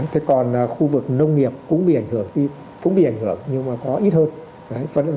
thế còn khu vực nông nghiệp cũng bị ảnh hưởng nhưng mà có ít hơn